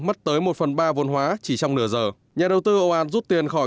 mất tới một phần ba vốn hóa chỉ trong nửa giờ nhà đầu tư oan rút tiền khỏi